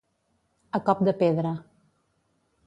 A cop de pedra.